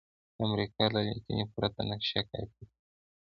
د امریکا له لیکنې پرته نقشه کاپي کړئ.